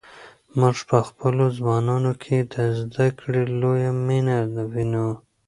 موږ په خپلو ځوانانو کې د زده کړې لویه مینه وینو.